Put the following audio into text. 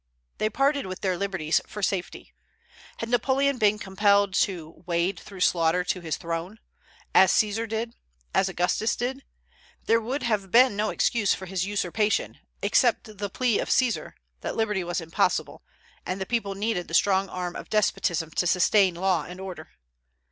They parted with their liberties for safety. Had Napoleon been compelled to "wade through slaughter to his throne," as Caesar did, as Augustus did, there would have been no excuse for his usurpation, except the plea of Caesar, that liberty was impossible, and the people needed the strong arm of despotism to sustain law and order.